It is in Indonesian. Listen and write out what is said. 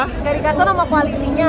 nggak dikasih tahu nama koalisinya